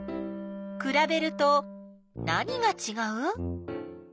くらべると何がちがう？